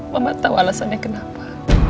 mama tahu alasannya kenapa